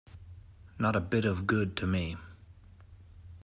Not a bit of good to me.